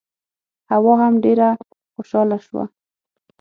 حوا هم ډېره خوشاله شوه.